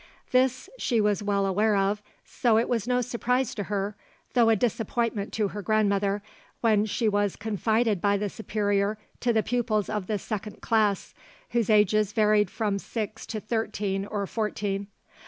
This she was well aware of, so it was no surprise to her, though a disappointment to her grandmother, when she was confided by the Superior to the pupils of the second class, whose ages varied from six to thirteen or fourteen.